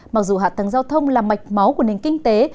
mặc dù hạ tầng giao thông là mạch máu của nền kinh tế